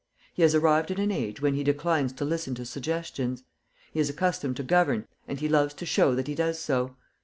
He has arrived at an age when he declines to listen to suggestions. He is accustomed to govern, and he loves to show that he does so.